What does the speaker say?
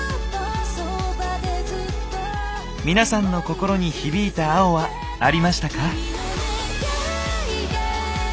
皆さんの心に響いた青はありましたか？